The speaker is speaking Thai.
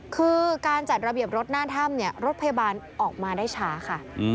คือการจัดระเบียบรถหน้าถ้ำรถพยาบาลออกมาได้ช้าค่ะ